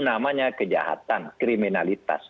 namanya kejahatan kriminalitas